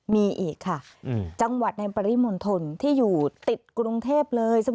มีอีกค่ะจังหวัดในปริมณฑลที่อยู่ติดกรุงเทพเลย